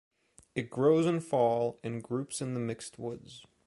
It grows in fall, in groups in the mixed woods.